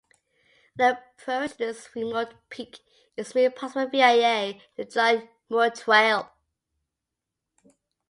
An approach to this remote peak is made possible via the John Muir Trail.